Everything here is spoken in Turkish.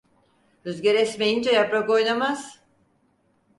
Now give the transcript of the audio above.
Rüzgâr esmeyince yaprak oynamaz.